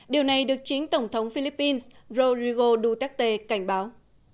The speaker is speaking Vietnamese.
điều này được chính tổng thống philippines rodrigo duterte cảnh báo